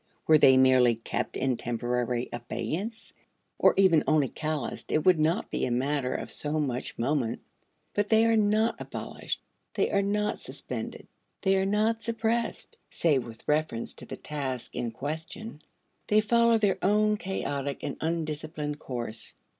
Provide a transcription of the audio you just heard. Were they merely kept in temporary abeyance, or even only calloused, it would not be a matter of so much moment. But they are not abolished; they are not suspended; they are not suppressed save with reference to the task in question. They follow their own chaotic and undisciplined course.